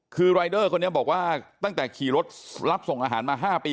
คือรายเดอร์คนนี้บอกว่าตั้งแต่ขี่รถรับส่งอาหารมา๕ปี